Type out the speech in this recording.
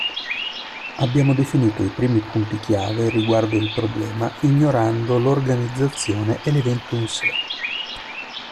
Abbiamo definito i primi punti chiave riguardo il problema ignorando l'organizzazione e l'evento in sé.